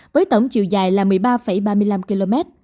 với tổng chiều dài là một mươi ba ba mươi năm km